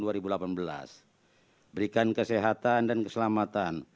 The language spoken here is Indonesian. berikan kesehatan dan keselamatan